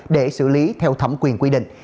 để xử lý theo thẩm quyền quy định